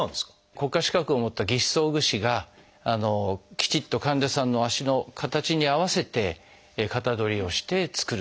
国家資格を持った義肢装具士がきちっと患者さんの足の形に合わせて型取りをして作る。